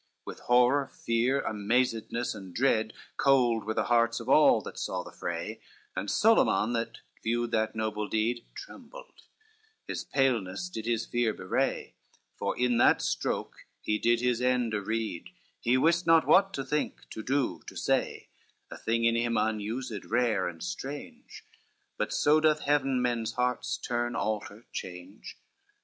CIV With horror, fear, amazedness and dread, Cold were the hearts of all that saw the fray, And Solyman, that viewed that noble deed, Trembled, his paleness did his fear bewray; For in that stroke he did his end areed, He wist not what to think, to do, to say, A thing in him unused, rare and strange, But so doth heaven men's hearts turn, alter, change.